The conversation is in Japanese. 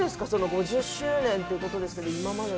５０周年ということですけど。